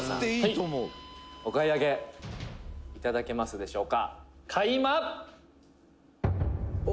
「お買い上げ頂けますでしょうか？」